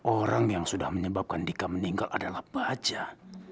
orang yang sudah menyebabkan dika meninggal adalah baja